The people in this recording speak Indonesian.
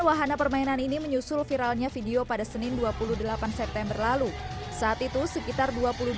karena permainan ini menyusul viralnya video pada senin dua puluh delapan september lalu saat itu sekitar